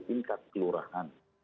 ini tingkat kelurahan